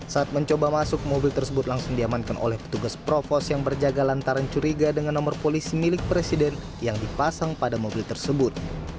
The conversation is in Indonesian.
saat mencoba masuk mobil tersebut langsung diamankan oleh petugas provos yang berjaga lantaran curiga dengan nomor polisi milik presiden yang dipasang pada mobil tersebut